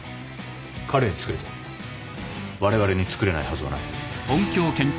彼につくれて我々につくれないはずはない。